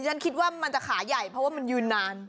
ฉันคิดว่ามันจะขาใหญ่เพราะว่ามันยืนนาน